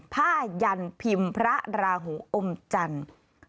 พาหยันทร์พิมพระราหงค์อมจันทร์